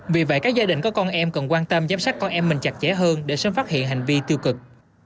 vì vậy các gia đình có con em cần quan tâm giám sát con em mình chặt chẽ hơn để sớm phát hiện hành vi tiêu cực